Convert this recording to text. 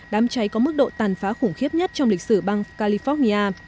đám cháy có mức độ tàn phá khủng khiếp nhất trong lịch sử bang california